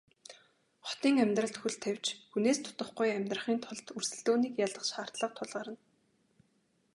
Хотын амьдралд хөл тавьж хүнээс дутахгүй амьдрахын тулд өрсөлдөөнийг ялах шаардлага тулгарна.